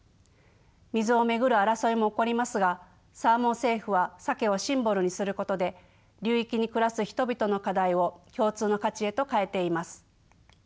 水を巡る争いも起こりますがサーモン・セーフはサケをシンボルにすることで流域に暮らす人々の課題を共通の価値へと変えています。